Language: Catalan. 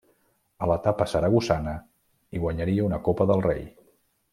A l'etapa saragossana hi guanyaria una Copa del Rei.